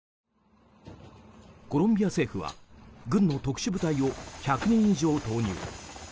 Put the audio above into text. コロンビア政府は軍の特殊部隊を１００人以上投入。